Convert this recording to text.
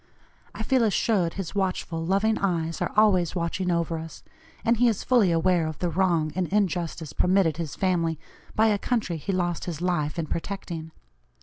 I feel assured his watchful, loving eyes are always watching over us, and he is fully aware of the wrong and injustice permitted his family by a country he lost his life in protecting.